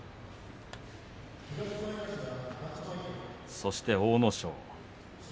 そして阿武咲。